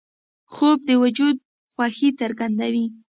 خوب د وجود خوښي څرګندوي